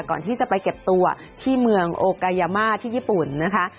ก่อนที่จะไปเก็บตัวที่เมืองโอกายามาที่ญี่ปุ่นนะคะ